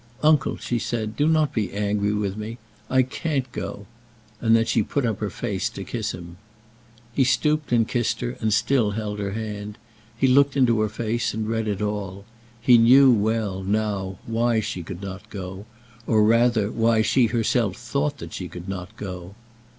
"Uncle," she said, "do not be angry with me. I can't go;" and then she put up her face to kiss him. He stooped and kissed her and still held her hand. He looked into her face and read it all. He knew well, now, why she could not go; or, rather, why she herself thought that she could not go.